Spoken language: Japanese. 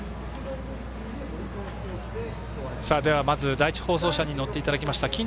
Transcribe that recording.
まず第１放送車に乗っていただきました